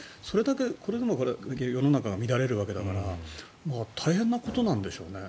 これでも世の中が乱れるわけですから大変なことなんでしょうね。